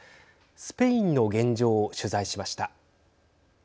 スペインの現状を取材しました。